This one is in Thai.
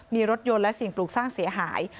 มีรถยนต์และสิ่งปลูกสร้างเสียหาย